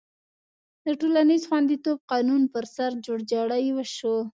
د ټولنیز خوندیتوب قانون پر سر جوړجاړی وشو.